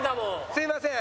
すみません。